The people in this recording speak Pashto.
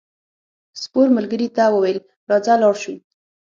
سپور ملګري ته وویل راځه لاړ شو.